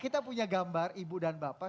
kita punya gambar ibu dan bapak